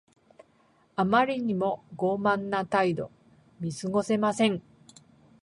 あまりにも傲慢な態度。見過ごせません。